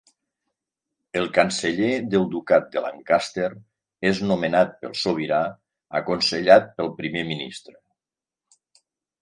El Canceller del ducat de Lancaster és nomenat pel Sobirà, aconsellat pel Primer Ministre.